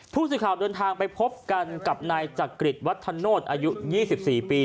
ผู้สื่อข่าวเดินทางไปพบกันกับนายจักริจวัฒโนธอายุ๒๔ปี